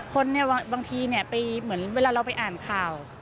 คนบางทีเหมือนเวลาเราไปอ่านข่าว